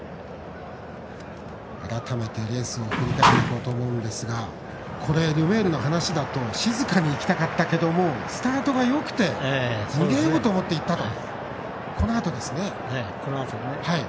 改めて、レースを振り返っていこうと思うんですがルメールの話だと静かに行きたかったけどもスタートがよくて逃げようと思っていったと。